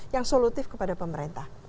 yang solutif kepada pemerintah